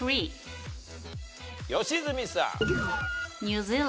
良純さん。